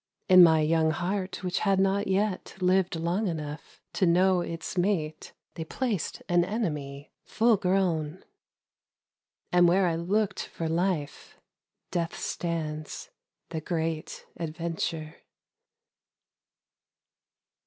In my young heart which had not yet lived long enough To know its mate, They placed an enemy, full grown ; And where I looked for Life ih stands — The Great Adventure.